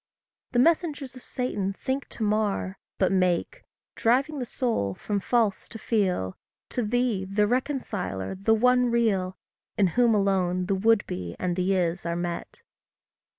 The messengers of Satan think to mar, But make driving the soul from false to feal To thee, the reconciler, the one real, In whom alone the would be and the is are met.